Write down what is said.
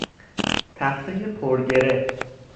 تختهی پرگره